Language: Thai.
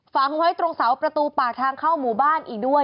ฝังไว้ตรงเสาประตูปากทางเข้าหมู่บ้านอีกด้วย